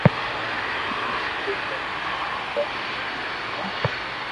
اوني اسڪول سوڙوہ ھي پر او نينو ھي